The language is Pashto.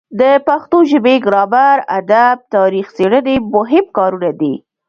د پښتو ژبې ګرامر ادب تاریخ څیړنې مهم کارونه دي.